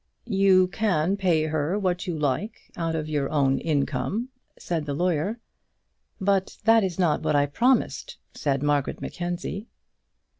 "You can pay her what you like out of your own income," said the lawyer. "But that is not what I promised," said Margaret Mackenzie.